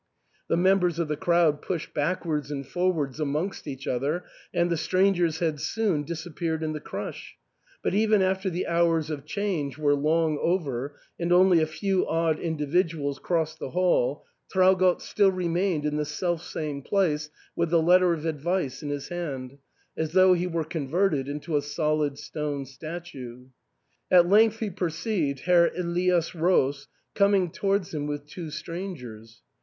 The members of the crowd pushed back wards and forwards amongst each other, and the strangers had soon disappeared in the crush ; but even after the hours of 'Change were long over, and only a few odd individuals crossed the hall, Traugott still re mained in the self same place with the letter of advice in his hand, as though he were converted into a solid stone statue. At length he perceived Herr Elias Roos coming towards him with two strangers.